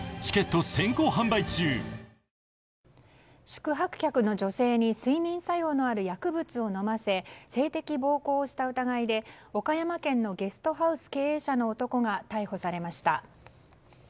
宿泊客の女性に睡眠作用のある薬物を飲ませ性的暴行をした疑いで岡山県のゲストハウス経営者の男が逮捕されました。